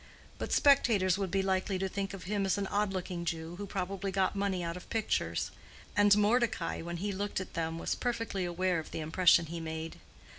But spectators would be likely to think of him as an odd looking Jew who probably got money out of pictures; and Mordecai, when he looked at them, was perfectly aware of the impression he made.